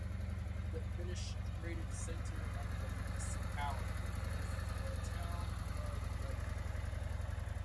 The administrative centre of the municipality is the town of Levanger.